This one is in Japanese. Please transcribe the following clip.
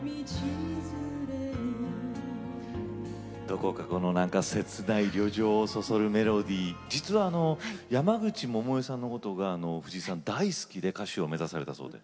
どこかこのなんか切ない旅情をそそるメロディー実は山口百恵さんのことが藤さん大好きで歌手を目指されたそうで。